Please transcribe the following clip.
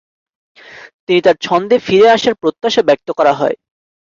তিনি তার ছন্দে ফিরে আসার প্রত্যাশা ব্যক্ত করা হয়।